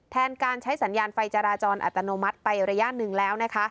แทนการใช้สัญญาณไฟจราจรอัตโนมัติไประยะหนึ่งแล้วนะคะ